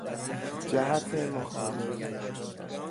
جهت مخالف